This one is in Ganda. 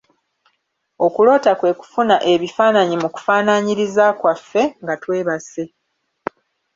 Okuloota kwe kufuna ebifaananyi mu kufaanaanyiriza kwaffe nga twebase.